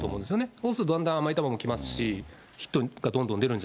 そうするとだんだん甘い球も来ますし、ヒットがどんどん出るんじ